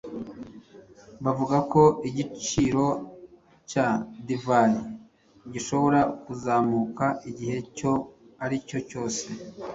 Bavuga ko igiciro cya divayi gishobora kuzamuka igihe icyo ari cyo cyose.